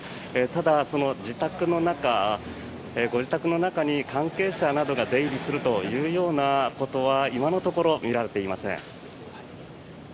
ただ、そのご自宅の中に関係者などが出入りするというようなことは今のところ見られていません。